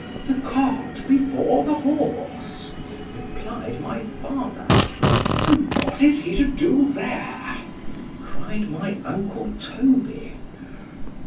_ The cart before the horse, replied my father—— ——And what is he to do there? cried my uncle _Toby.